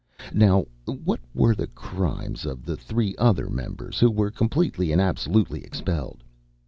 Now what were the crimes of the three other members, who were completely and absolutely expelled?